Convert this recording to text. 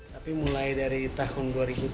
tapi mulai dari tahun dua ribu tujuh belas